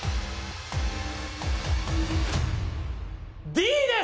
Ｄです！